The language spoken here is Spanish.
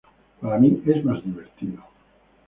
Para mí, es más divertido.